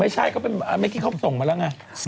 ไม่ใช่เมกิเค้าส่งมาแล้วไง